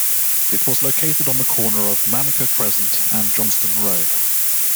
It was located on the corner of Manuka Crescent and Johnston Road.